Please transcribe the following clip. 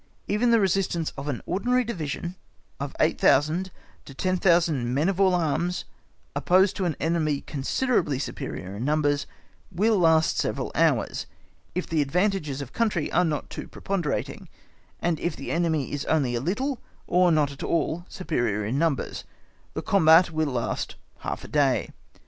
Even the resistance of an ordinary Division of 8000 to 10,000 men of all arms even opposed to an enemy considerably superior in numbers, will last several hours, if the advantages of country are not too preponderating, and if the enemy is only a little, or not at all, superior in numbers, the combat will last half a day.